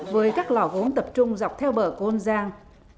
với các lò gốm tập trung dọc theo bờ của ôn giang